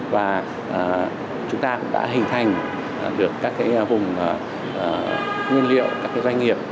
và chúng ta cũng đã hình thành được các vùng nguyên liệu các doanh nghiệp